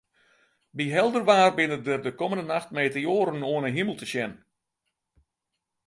By helder waar binne der de kommende nacht meteoaren oan 'e himel te sjen.